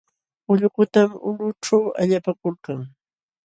Ullukutam ulqućhu allapakuykan.